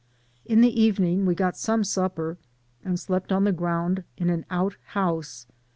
In the evening we got some supper, and slept on the ground in an out house.